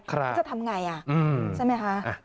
ครับถ้าทำไงใช่ไหมคะอืม